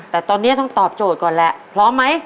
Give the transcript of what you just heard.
แต่ตอนนี้ต้องตอบโจทย์ก่อนแหละพร้อมไหม